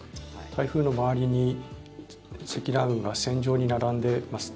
台風の周りに積乱雲が線状に並んでいます。